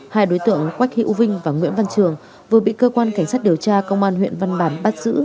hai đối tượng quách hữu vinh và nguyễn văn trường vừa bị cơ quan cảnh sát điều tra công an huyện văn bản bắt giữ